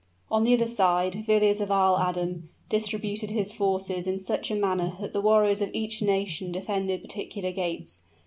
On the other side, Villiers of Isle Adam distributed his forces in such a manner that the warriors of each nation defended particular gates.